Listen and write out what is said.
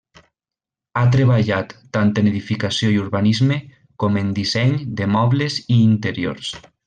Ha treballat tant en edificació i urbanisme, com en disseny de mobles i interiors.